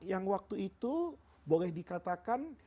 yang waktu itu boleh dikatakan